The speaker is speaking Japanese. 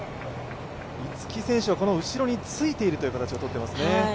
逸木選手はこの後ろについているという形をとっていますね。